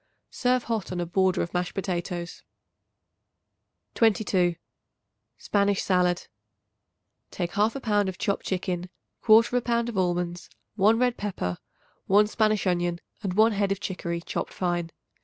Serve hot on a border of mashed potatoes. 22. Spanish Salad. Take 1/2 pound of chopped chicken, 1/4 pound of almonds, 1 red pepper, 1 Spanish onion and 1 head of chicory chopped fine.